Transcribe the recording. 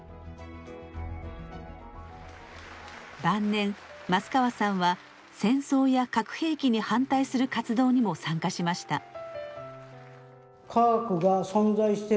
晩年益川さんは戦争や核兵器に反対する活動にも参加しました。